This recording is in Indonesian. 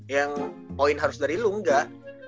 yang point harus dari lo enggak